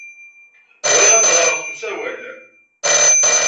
Bɣiɣ ad ɣreɣ s usawal.